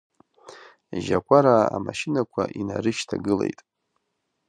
Жьакәараа амашьынақәа инарышьҭагылеит.